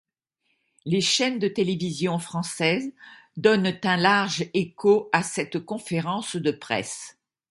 Les chaines de télévision françaises donnent un large écho à cette conférence de presse.